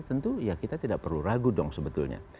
tentu ya kita tidak perlu ragu dong sebetulnya